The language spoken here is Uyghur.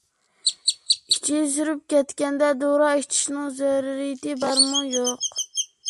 ئىچى سۈرۈپ كەتكەندە دورا ئىچىشنىڭ زۆرۈرىيىتى بارمۇ-يوق؟